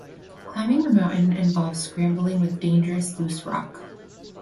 Climbing the mountain involves scrambling with dangerous loose rock.